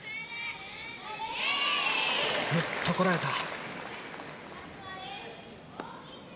ぐっとこらえた。